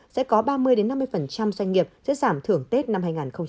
sẽ có ba mươi năm mươi doanh nghiệp sẽ giảm thưởng tết năm hai nghìn hai mươi